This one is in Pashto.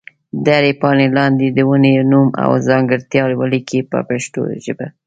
د هرې پاڼې لاندې د ونې نوم او ځانګړتیا ولیکئ په پښتو ژبه.